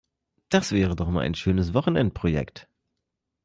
Das wäre doch mal ein schönes Wochenendprojekt!